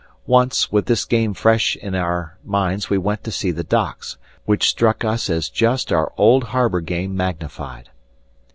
Once, with this game fresh in our we went to see the docks, which struck us as just our old harbor game magnified.